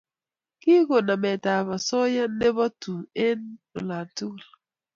Ki ko Nametab osoya nebo tu eng olatugul